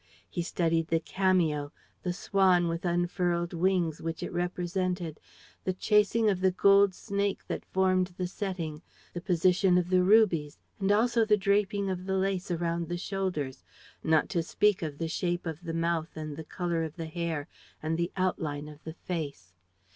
He studied the cameo, the swan with unfurled wings which it represented, the chasing of the gold snake that formed the setting, the position of the rubies and also the draping of the lace around the shoulders, not to speak of the shape of the mouth and the color of the hair and the outline of the face.